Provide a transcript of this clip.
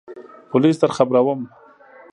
پولیس درخبروم !